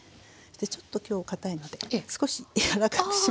ちょっと今日かたいので少し柔らかくしますけど手の熱で。